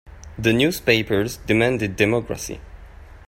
The newspapers demanded democracy.